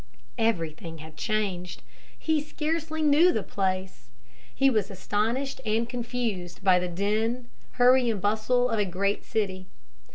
Everything had changed. He scarcely knew the place. He was astonished and confused by the din, hurry and bustle of a great city.